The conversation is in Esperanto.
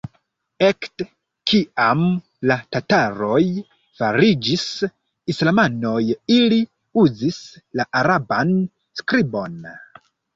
Ekde kiam la tataroj fariĝis islamanoj ili uzis la araban skribon.